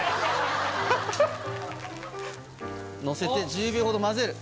のせて１０秒ほど混ぜる。